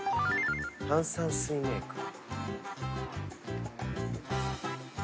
炭酸水メーカー。